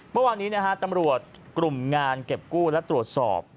เมื่อวานนี้นะฮะตำรวจกลุ่มงานเก็บกู้และตรวจสอบ